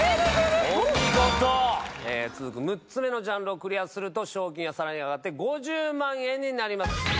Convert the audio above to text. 続く６つ目のジャンルをクリアすると賞金はさらに上がって５０万円になります。